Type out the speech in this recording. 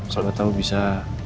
soalnya tau bisa